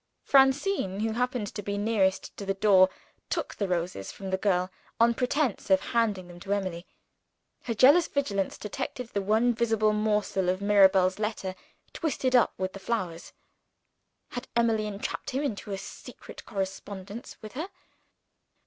Francine, who happened to be nearest to the door, took the roses from the girl on pretense of handing them to Emily. Her jealous vigilance detected the one visible morsel of Mirabel's letter, twisted up with the flowers. Had Emily entrapped him into a secret correspondence with her?